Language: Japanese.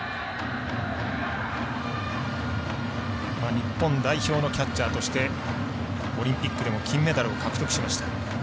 日本代表のキャッチャーとしてオリンピックでも金メダルを獲得しました。